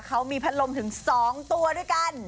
เขามีพัดลมถึง๒ตัวด้วยกัน